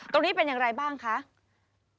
ตรงนี้เป็นอย่างไรบ้างคะ